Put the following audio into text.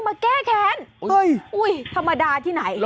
เบิร์ตลมเสียโอ้โห